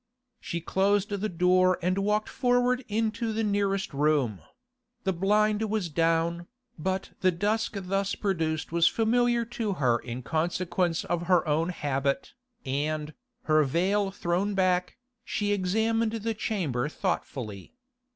She closed the door and walked forward into the nearest room; the blind was down, but the dusk thus produced was familiar to her in consequence of her own habit, and, her veil thrown back, she examined the chamber thoughtfully.